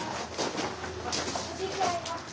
おじいちゃんいますか？